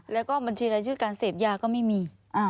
แล้วก็บัญชีรายชื่อการเสพยาก็ไม่มี